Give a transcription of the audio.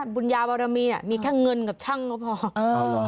บุญญาบารมีมีแค่เงินกับช่างก็พอ